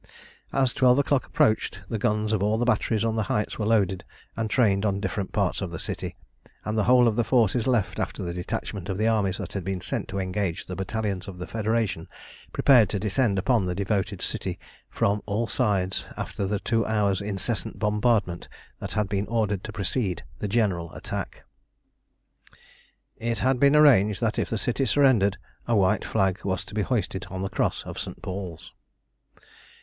As twelve o'clock approached the guns of all the batteries on the heights were loaded and trained on different parts of the city, and the whole of the forces left after the detachment of the armies that had been sent to engage the battalions of the Federation prepared to descend upon the devoted city from all sides after the two hours' incessant bombardment that had been ordered to precede the general attack. It had been arranged that if the city surrendered a white flag was to be hoisted on the cross of St. Paul's.